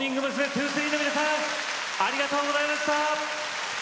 ’２３の皆さんありがとうございました。